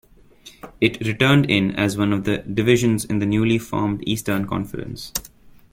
It returned in as one of the divisions in the newly formed Eastern Conference.